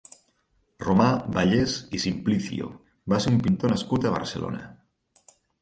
Romà Vallès i Simplicio va ser un pintor nascut a Barcelona.